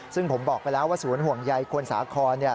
ซึ่งผมบอกไปแล้วว่าศูนย์ห่วงใยคนสาคร